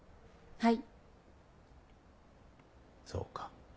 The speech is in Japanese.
はい。